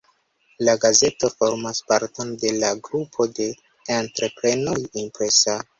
La gazeto formas parton de la grupo de entreprenoj "Impresa".